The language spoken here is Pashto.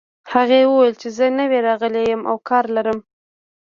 هغې وویل چې زه نوی راغلې یم او کار لرم